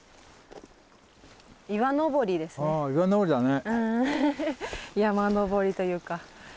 岩登りだね。